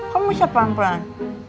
kamu siap pelan pelan